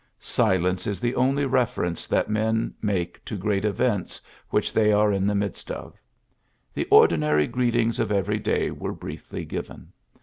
Silence is the only reference that men make to great events which they are in the midst of. The ordinary greetings of every day were briefly given.